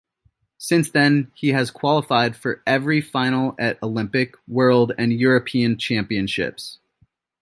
Since then he has qualified for every final at Olympic, World and European Championships.